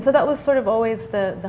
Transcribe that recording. jadi itu adalah